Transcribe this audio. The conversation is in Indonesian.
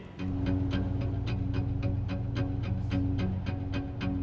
untuk dilakukan verifikasi fisik